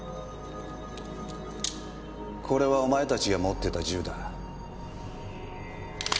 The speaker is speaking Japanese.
これはお前たちが持ってた銃だ。